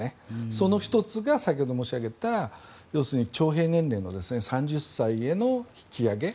その１つが、先ほど申し上げた要するに徴兵年齢の３０歳への引き上げ。